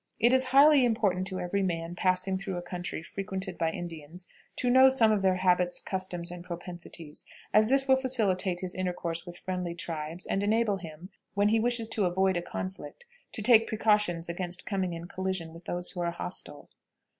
It is highly important to every man passing through a country frequented by Indians to know some of their habits, customs, and propensities, as this will facilitate his intercourse with friendly tribes, and enable him, when he wishes to avoid a conflict, to take precautions against coming in collision with those who are hostile.